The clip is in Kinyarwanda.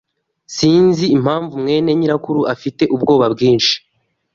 Sinzi impamvu mwene nyirakuru afite ubwoba bwinshi.